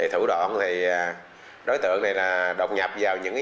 thủ đoạn thì đối tượng này là đột nhập vào những nhà